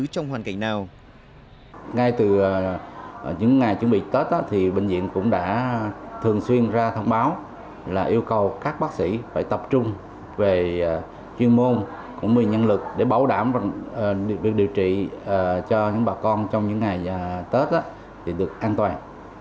trong ngày chuẩn bị tết thì bệnh viện cũng đã thường xuyên ra thông báo là yêu cầu các bác sĩ phải tập trung về chuyên môn cũng như nhân lực để bảo đảm được điều trị cho những bà con trong những ngày tết được an toàn